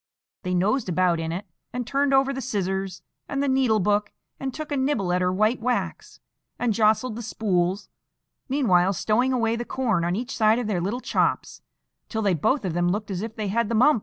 They nosed about in it, and turned over the scissors and the needle book, and took a nibble at her white wax, and jostled the spools, meanwhile stowing away the corn on each side of their little chops, till they both of them looked as if they had the mumps.